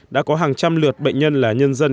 đã có hàng trăm lượt bệnh nhân là nhân dân